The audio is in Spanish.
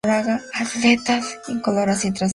Aletas incoloras y transparentes.